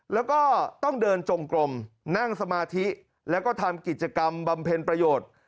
แล้วก็ต้องเดินจงกลมนั่งสมาธิแล้วก็ทำกิจกรรมบำเพ็ญประโยชน์